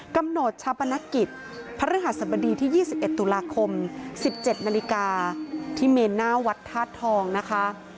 กำหนดชาปนักศิษย์ภรรยหสบดีที่๒๑ตุลาคม๑๗นที่เมน่าวัดธาตุทองนะคะ